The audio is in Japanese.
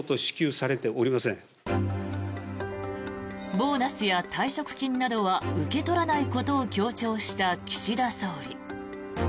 ボーナスや退職金などは受け取らないことを強調した岸田総理。